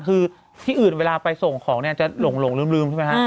คือที่อื่นเวลาไปส่งของเนี่ยจะหลงลืมใช่ไหมฮะ